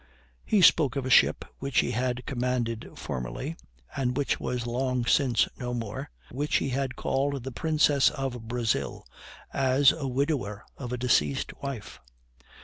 He spoke of a ship which he had commanded formerly, and which was long since no more, which he had called the Princess of Brazil, as a widower of a deceased wife.